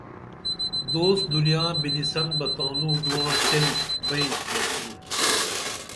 دوس دنیا بِنِسن بہ تانوں نواں چیل بئیں دڇِنُن